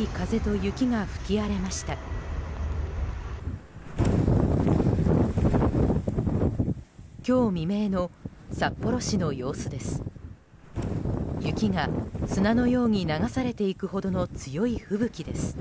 雪が砂のように流されていくほどの強い吹雪です。